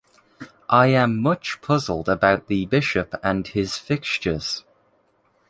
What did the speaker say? I am much puzzled about the bishop and his fixtures.